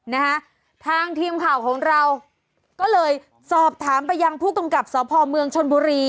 นะฮะทางทีมข่าวของเราก็เลยสอบถามไปยังผู้กำกับสพเมืองชนบุรี